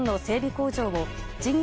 工場を事業